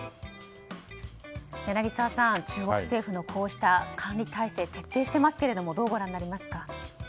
柳澤さん、中国政府の管理体制徹底してますけどどうご覧になりますか？